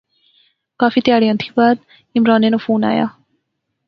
کافی تہاڑیا تھی بعدعمرانے ناں فون آیا